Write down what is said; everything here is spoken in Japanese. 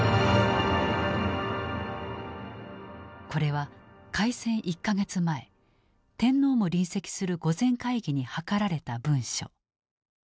これは開戦１か月前天皇も臨席する御前会議に諮られた文書。